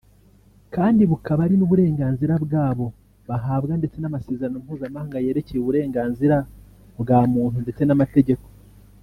kandi bukaba ari n’uburenganzira bwabo bahabwa ndetse n’amasezerano mpuzamhanga yerekeye uburenganzira bwa muntu ndetse n’amategeko